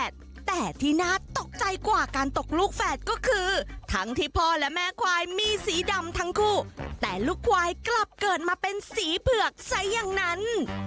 เจ้าและแม่ควายมีสีดำทั้งคู่แต่ลูกควายกลับเกิดมาเป็นสีเผือกใส่อย่างนั้น